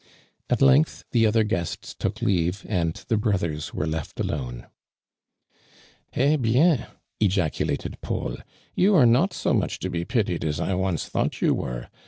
At length the other guests took leave and the brothers were left alone. "A'A6i>»/" ejacukt^ Paul, " yon are not so much to be pitied as I once thought you were.